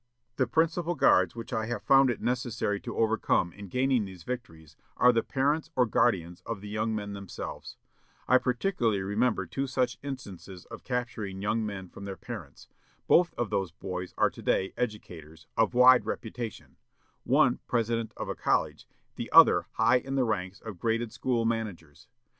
The principal guards which I have found it necessary to overcome in gaining these victories are the parents or guardians of the young men themselves. I particularly remember two such instances of capturing young men from their parents. Both of those boys are to day educators, of wide reputation, one president of a college, the other high in the ranks of graded school managers.